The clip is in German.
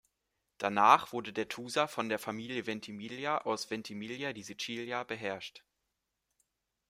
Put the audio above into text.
Danach wurde der Tusa von der Familie Ventimiglia aus Ventimiglia di Sicilia beherrscht.